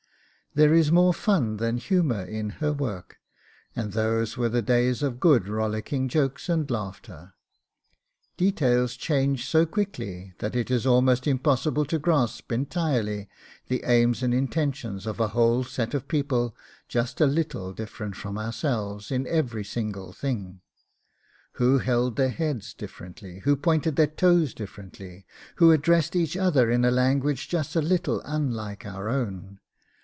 There is more fun than humour in her work, and those were the days of good rollicking jokes and laughter. Details change so quickly that it is almost impossible to grasp entirely the aims and intentions of a whole set of people just a little different from ourselves in every single thing; who held their heads differently, who pointed their toes differently, who addressed each other in a language just a little unlike our own.